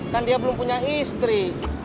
kan dia belum punya istri